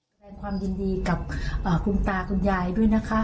แสดงความยินดีกับคุณตาคุณยายด้วยนะคะ